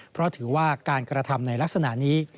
เพราะถือว่าการกระทำในลักษณะนี้